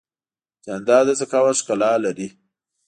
جانداد د ذکاوت ښکلا لري.